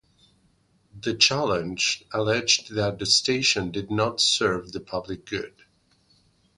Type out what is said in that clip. The challenge alleged that the station did not serve the public good.